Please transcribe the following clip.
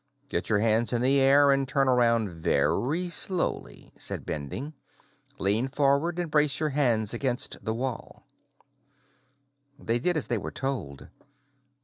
"Get your hands in the air and turn around very slowly," said Bending. "Lean forward and brace your hands against the wall." They did as they were told.